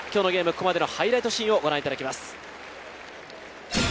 ここまでのハイライトシーンをご覧いただきます。